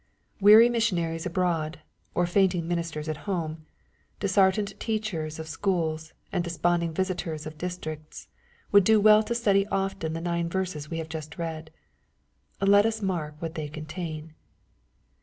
Weary missionaries abroad, or fainting ministers at home— dis heartened teachers of schools, and desponding visitors of districts, would do well to study often the nine verses we have just read. Let us mark what they contain.